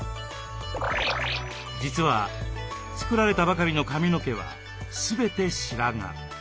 実は作られたばかりの髪の毛は全て白髪。